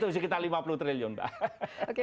itu sekitar lima puluh triliun mbak